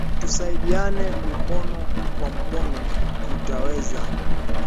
Tusaidiane mukono kwa mukono tuta weza